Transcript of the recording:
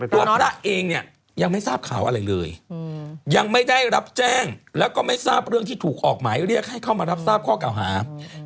พระเองเนี่ยยังไม่ทราบข่าวอะไรเลยยังไม่ได้รับแจ้งแล้วก็ไม่ทราบเรื่องที่ถูกออกหมายเรียกให้เข้ามารับทราบข้อเก่าหา